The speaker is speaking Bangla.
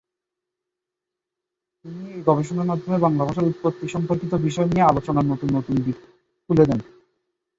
তিনি এই গবেষণার মাধ্যমে বাংলা ভাষার উৎপত্তি সম্পর্কিত বিষয় নিয়ে আলোচনার নতুন নতুন দিক খুলে দেন।